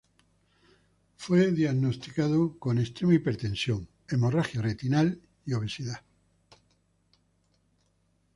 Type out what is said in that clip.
Fue diagnosticado con extrema hipertensión, hemorragia retinal y obesidad.